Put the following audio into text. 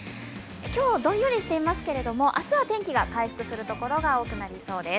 今日、どんよりしていますけれど、明日は天気が回復するところが多くなりそうです。